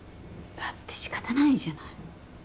だって仕方ないじゃない。